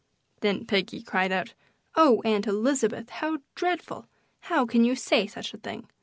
Then Peggy cried out, "Oh, Aunt Elizabeth, how dreadful! How can you say such a thing!"